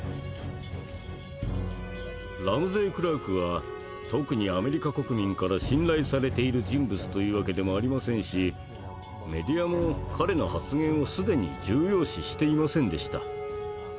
ラムゼイ・クラークは特にアメリカ国民から信頼されている人物というわけでもありませんしメディアも彼の発言を既に重要視していませんでした。